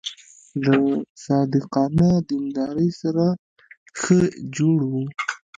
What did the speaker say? له صادقانه دیندارۍ سره ښه جوړ و.